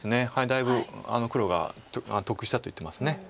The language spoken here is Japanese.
だいぶ黒が得したと言ってます。